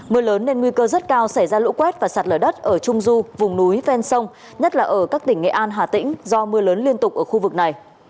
mưa lớn nên nguy cơ rất cao xảy ra lũ quét và sạt lở đất ở trung du vùng núi ven sông nhất là ở các tỉnh nghệ an hà tĩnh do mưa lớn liên tục ở khu vực này